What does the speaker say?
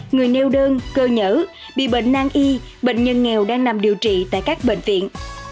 người neo đơn cơ nhở bị bệnh nang y bệnh nhân nghèo đang nằm điều trị tại các bệnh viện